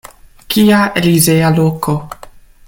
Kia elizea loko!